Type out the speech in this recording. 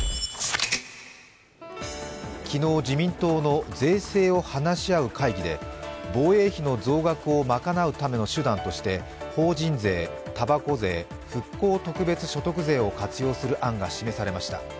昨日、自民党の税制を話し合う会議で防衛費の増額を賄うための手段として法人税、たばこ税、復興特別所得税を活用する案が示されました。